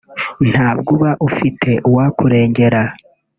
ntabwo uba ufite uwakurengera